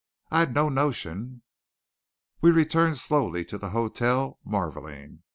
I'd no notion " We returned slowly to the hotel, marvelling.